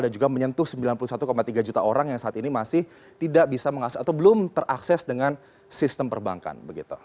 juga menyentuh sembilan puluh satu tiga juta orang yang saat ini masih tidak bisa mengakses atau belum terakses dengan sistem perbankan